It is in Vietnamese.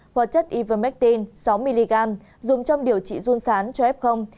hoặc chất ivermectin sáu mg dùng trong điều trị run sán cho f